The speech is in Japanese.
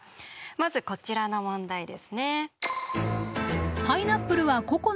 まずこちらの問題ですね。